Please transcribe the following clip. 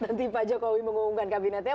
nanti pak jokowi mengumumkan kabinetnya